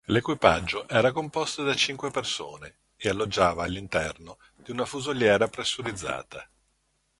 L’equipaggio era composto da cinque persone, e alloggiava all’interno di una fusoliera pressurizzata.